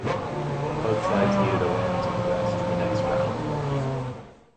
Both sides needed a win to progress to the next round.